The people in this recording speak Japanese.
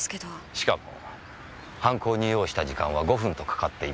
しかも犯行に要した時間は５分とかかってない。